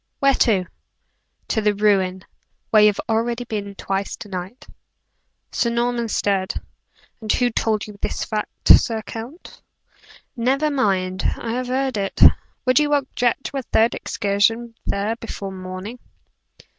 "Where to?" "To the ruin, where you have already been twice to night." Sir Norman stared. "And who told you this fact, Sir Count?" "Never mind; I have heard it. Would you object to a third excursion there before morning?"